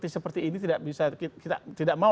seperti ini tidak mau